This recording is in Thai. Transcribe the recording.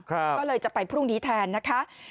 ก็เลยจะไปพรุ่งนี้แทนนะคะ